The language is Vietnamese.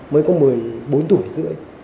mới có một mươi bốn tuổi rưỡi